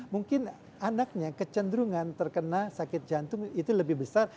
mungkin anaknya kecenderungan terkena sakit jantung itu lebih besar